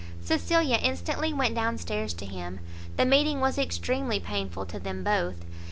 Cecilia instantly went down stairs to him. The meeting was extremely painful to them both.